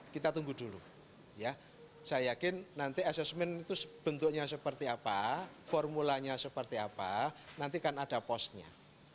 kita tunggu dulu ya saya yakin nanti asesmen itu bentuknya seperti apa formulanya seperti apa nanti kan ada posnya